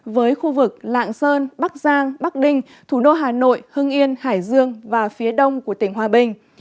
với khu vực lạng sơn bắc giang bắc đinh thủ đô hà nội hưng yên hải dương và phía đông của tỉnh hòa bình